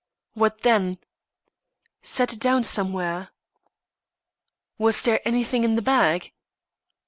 "What, then?" "Set it down somewhere." "Was there anything in the bag?"